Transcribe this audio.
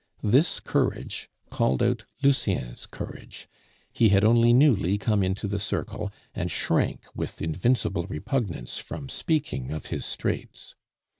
This courage called out Lucien's courage; he had only newly come into the circle, and shrank with invincible repugnance from speaking of his straits.